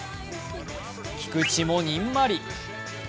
菊池もにんまり。